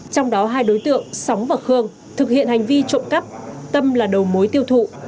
trong đó hai đối tượng sóng và khương thực hiện hành vi trộm cắp tâm là đầu mối tiêu thụ